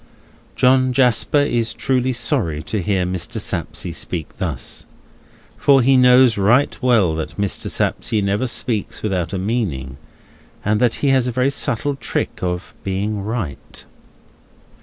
John Jasper is truly sorry to hear Mr. Sapsea speak thus, for he knows right well that Mr. Sapsea never speaks without a meaning, and that he has a subtle trick of being right.